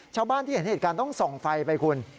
ชาวบ้านที่เห็นเหตุการณ์ต้องส่องไฟไปคุณ